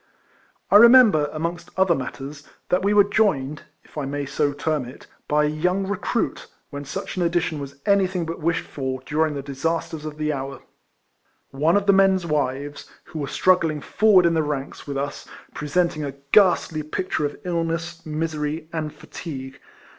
I remember, amongst other mat ters, that we were joined, if I may so term it, by a young recruit, when such an addition 186 RECOIXECTIOXS OF was anything but wished for during the disasters of the hour. One of the men's wires (who was struggling forward in the ranks with us, presenting a ghastly picture of illness, misery, and fatigue.)